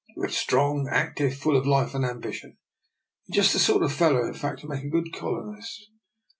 You are strong, active, full of life and ambition; just the sort of fellow, in fact, to make a good colonist.